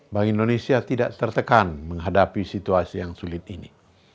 bank indonesia tidak tertekan menghadapi situasi yang sulit ini